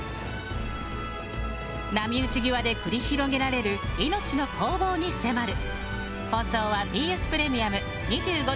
波打ち際で繰り広げられる命の攻防に迫る。